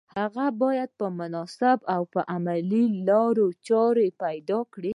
هغه بايد مناسبې او عملي لارې چارې پيدا کړي.